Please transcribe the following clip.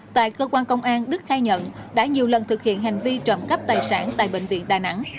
tại cơ quan công an đức khai nhận đã nhiều lần thực hiện hành vi trộm cắp tài sản tại bệnh viện đà nẵng